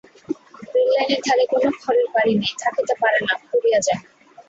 Rail লাইনের ধারে কোনো খড়ের বাড়ি নাই, থাকিতে পারে না, পুড়িয়া যায়।